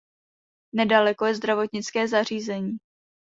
Nedaleko je zdravotnické zařízení.